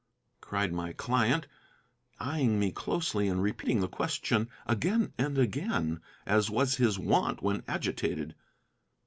cried my client, eyeing me closely and repeating the question again and again, as was his wont when agitated.